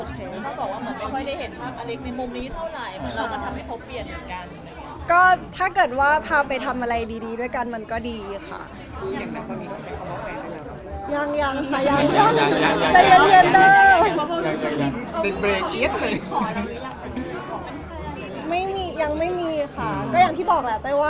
เธอบอกว่าไม่ค่อยได้เห็นภาพอลิกสินมมุมนี้เท่าไร